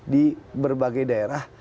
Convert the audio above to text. di berbagai daerah